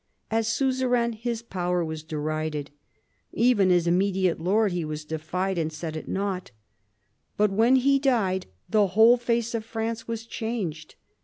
As suzerain his power was derided. Even as immediate lord he was defied and set at nought. But when he died the whole face of France was changed.